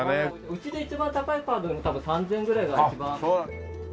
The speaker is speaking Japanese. うちで一番高いカードでも多分３０００円ぐらいが一番。